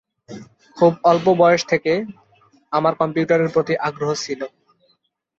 খুব অল্প বয়স থেকে তিনি কম্পিউটারের প্রতি আগ্রহী ছিলেন।